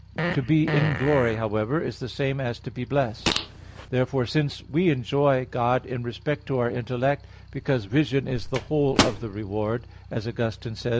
To be in glory, however, is the same as to be blessed. Therefore, since we enjoy God in respect to our intellect, because "vision is the whole of the reward," as Augustine says (De Civ.